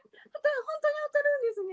本当に当たるんですね」。